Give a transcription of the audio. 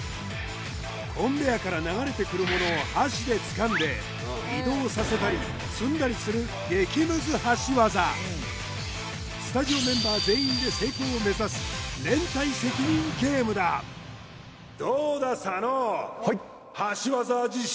コンベアから流れてくるものを箸でつかんで移動させたり積んだりする激ムズ箸技スタジオメンバー全員で成功を目指すどうだ佐野！